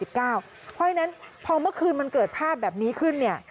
เพราะฉะนั้นพอเมื่อคืนมันเกิดภาพแบบนี้ขึ้น